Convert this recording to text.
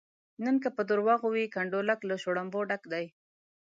نن که په درواغو وي کنډولک له شلومبو ډک شي.